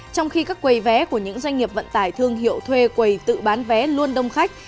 trong khi các quầy vé của những doanh nghiệp vận tải thương hiệu thuê quầy tự bán vé luôn đông khách